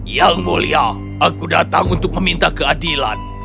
yang mulia aku datang untuk meminta keadilan